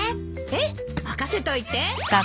ええ任せといて。